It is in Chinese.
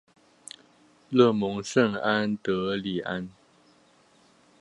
勒蒙圣阿德里安。